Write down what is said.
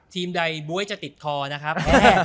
ใดบ๊วยจะติดคอนะครับ